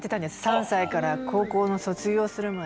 ３歳から高校卒業するまで。